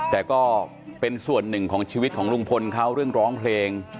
แต่ก็เป็นส่วนหนึ่งของชีวิตของลุงพลเขาเรื่องร้องเพลง